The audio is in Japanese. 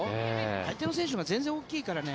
相手の選手のほうが全然大きいからね。